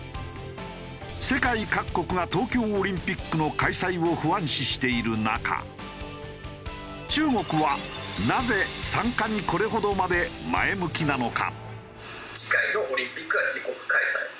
世界各国が東京オリンピックの開催を不安視している中中国はなぜ参加にこれほどまで前向きなのか？